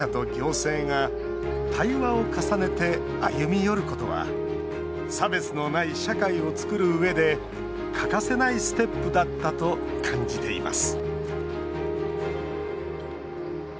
当事者と行政が対話を重ねて歩み寄ることは差別のない社会を作るうえで欠かせないステップだったと感じています